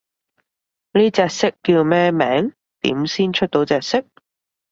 呢隻色叫咩名？點先出到隻色？